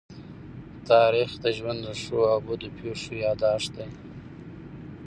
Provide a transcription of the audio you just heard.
تاریخ د ژوند د ښو او بدو پېښو يادښت دی.